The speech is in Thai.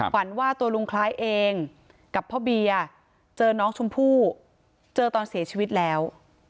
ว่าตัวลุงคล้ายเองกับพ่อเบียร์เจอน้องชมพู่เจอตอนเสียชีวิตแล้ว